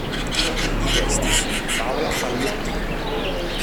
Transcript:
I testi sono di Paola Pallottino.